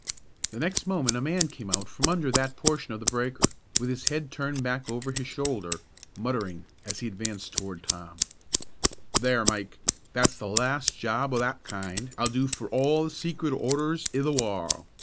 The next moment a man came out from under that portion of the breaker, with his head turned back over his shoulder, muttering, as he advanced toward Tom, "There, Mike, that's the last job o' that kind I'll do for all the secret orders i' the warl'.